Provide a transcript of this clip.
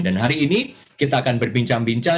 dan hari ini kita akan berbincang bincang